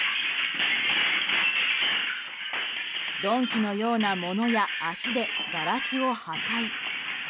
鈍器のようなものや足でガラスを破壊。